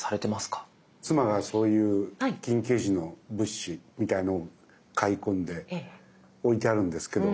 妻がそういう緊急時の物資みたいなのを買い込んで置いてあるんですけど。